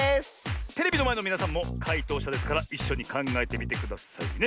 テレビのまえのみなさんもかいとうしゃですからいっしょにかんがえてみてくださいね。